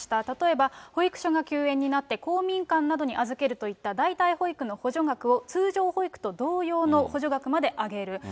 例えば保育所が休園になって、公民館などに預けるといった、代替保育の補助額を通常保育と同様の補助額まで上げる。